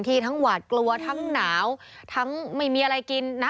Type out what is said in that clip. ทั้งหวาดกลัวทั้งหนาวทั้งไม่มีอะไรกินนะ